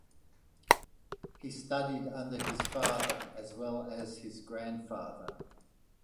He studied under his father as well as his grandfather.